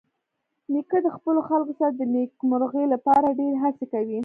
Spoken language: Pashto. نیکه د خپلو خلکو سره د نیکمرغۍ لپاره ډېرې هڅې کوي.